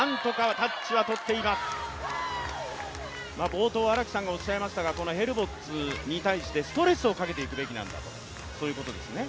冒頭、荒木さんがおっしゃいましたが、ヘルボッツに対してストレスをかけていくべきなんだと、そういうことですね。